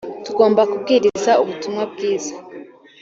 tugomba kubwiriza Ubutumwa bwiza